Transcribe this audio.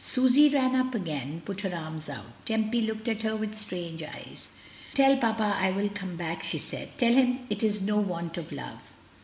Susy ran up again, and put her arms out; Tempy looked at her with strange eyes. "Tell papa I will come back," she said; "tell him it is no want of love."